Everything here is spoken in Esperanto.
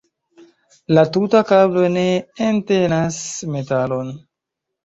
La tuta kablo ne entenas metalon.